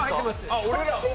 あっ俺らも？